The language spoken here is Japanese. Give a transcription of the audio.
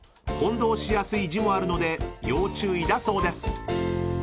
［混同しやすい字もあるので要注意だそうです］